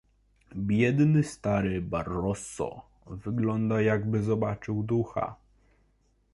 Biedny stary Barroso wygląda, jakby zobaczył ducha